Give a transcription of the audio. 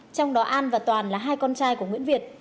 trong đó an và toàn là hai con trai của nguyễn việt